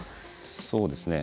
そうですね。